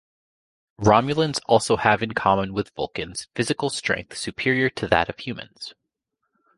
Romulans also have in common with Vulcans physical strength superior to that of humans.